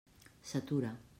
S'atura.